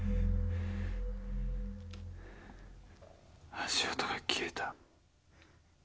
・足音が消えた。